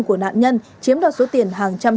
của nạn nhân chiếm đoạt số tiền hàng trăm